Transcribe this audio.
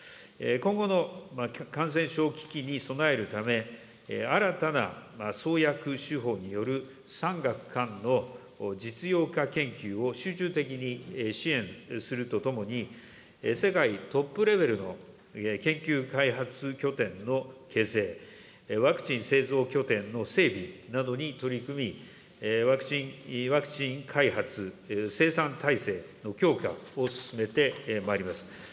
今後の感染症危機に備えるため、新たな創薬手法による産学官の実用化研究を集中的に支援するとともに、世界トップレベルの研究開発拠点の形成、ワクチン製造拠点の整備などに取り組み、ワクチン開発生産体制の強化を進めてまいります。